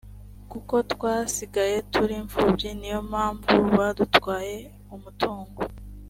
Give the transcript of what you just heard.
kuko twasigaye turi imfubyi niyo mpanvu badutwaye umutungo